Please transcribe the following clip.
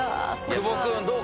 久保君どう？